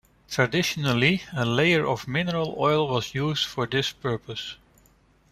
Traditionally, a layer of mineral oil was used for this purpose.